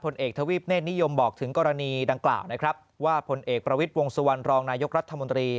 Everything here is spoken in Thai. เอกทวีปเนธนิยมบอกถึงกรณีดังกล่าวนะครับว่าผลเอกประวิทย์วงสุวรรณรองนายกรัฐมนตรี